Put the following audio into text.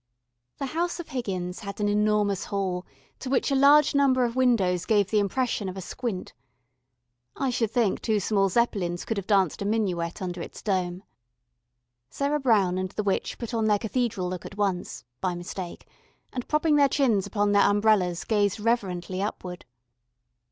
The house of Higgins had an enormous hall to which a large number of high windows gave the impression of a squint. I should think two small Zeppelins could have danced a minuet under its dome. Sarah Brown and the witch put on their cathedral look at once, by mistake, and propping their chins upon their umbrellas gazed reverently upward.